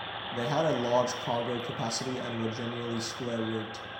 They had a large cargo capacity, and were generally square rigged.